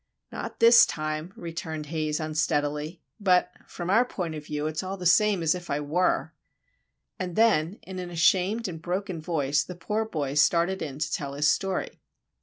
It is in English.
"Not this time," returned Haze, unsteadily, "but, from our point of view, it's all the same as if I were." And then, in an ashamed and broken voice, the poor boy started in to tell his story.